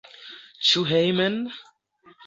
Ĉu hejmen?